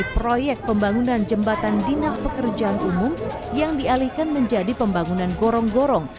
proyek pembangunan jembatan dinas pekerjaan umum yang dialihkan menjadi pembangunan gorong gorong